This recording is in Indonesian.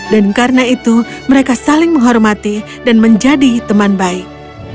dan karena itu mereka saling menghormati dan menjadi teman baik